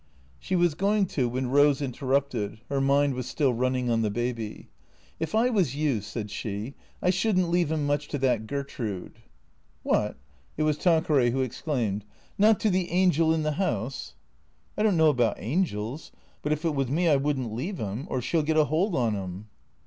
She was going to when Eose interrupted (her mind was still running on the baby). " If I was you," said she, " I should n't leave 'im much to that Gertrude." "What?" (It was Tanqueray who exclaimed.) "Not to the angel in the house ?"" I don't know about angels, but if it was me I would n't leave 'im, or she '11 get a hold on 'im."